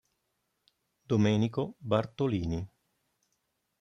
Domenico Bartolini